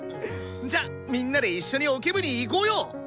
じゃみんなで一緒にオケ部に行こうよ！